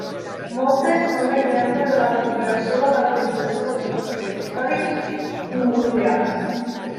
Moltes són l'exemple de la recuperació o la reutilització dels edificis històrics industrials.